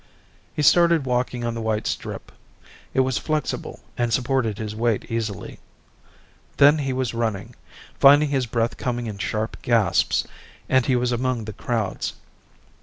He started walking on the white strip. It was flexible and supported his weight easily. Then he was running, finding his breath coming in sharp gasps and he was among the crowds.